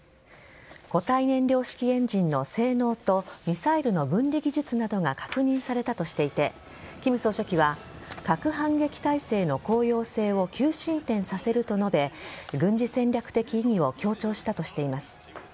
固体燃料式エンジンの性能とミサイルの分離技術などが確認されたとしていて金総書記は核反撃態勢の効用性を急進展させると述べ軍事戦略的意義を強調したとしています。